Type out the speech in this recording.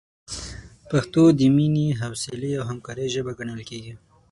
پښتو د مینې، حوصلې، او همکارۍ ژبه ګڼل کېږي.